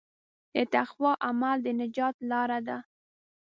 د تقوی عمل د نجات لاره ده.